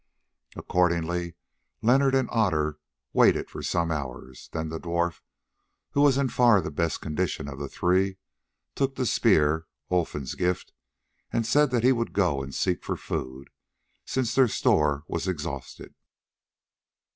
Accordingly Leonard and Otter waited for some hours. Then the dwarf, who was in far the best condition of the three, took the spear—Olfan's gift—and said that he would go and seek for food, since their store was exhausted.